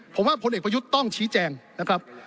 ผมว่าผลเอกประยุทธ์ต้องชี้แจงนะครับ